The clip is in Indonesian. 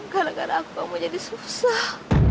gara gara aku aku mau jadi susah